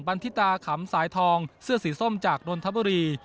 ันทิตาขำสายทองเสื้อสีส้มจากนนทบุรี